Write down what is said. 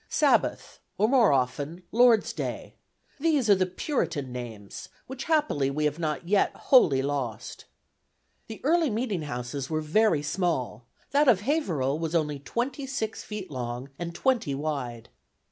Sabbath, or more often Lord's Day: these are the Puritan names, which happily we have not yet wholly lost. The early meeting houses were very small; that of Haverhill was only twenty six feet long and twenty wide.